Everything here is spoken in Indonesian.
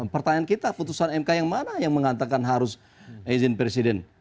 pertanyaan kita putusan mk yang mana yang mengatakan harus izin presiden